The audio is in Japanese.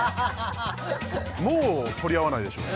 もう取り合わないでしょう